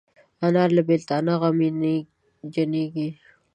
انا له بیلتانه غمجنېږي